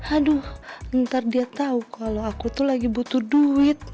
aduh ntar dia tahu kalau aku tuh lagi butuh duit